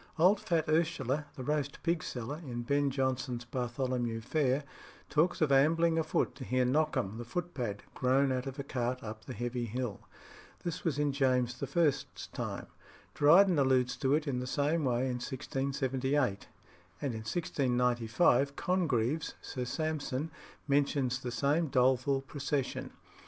Old fat Ursula, the roast pig seller in Ben Jonson's Bartholomew Fair talks of ambling afoot to hear Knockhem the footpad groan out of a cart up the Heavy Hill. This was in James I.'s time. Dryden alludes to it in the same way in 1678, and in 1695 Congreve's Sir Sampson mentions the same doleful procession.